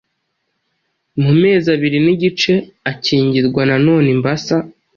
Ku mezi abiri n’igice akingirwa nanone imbasa,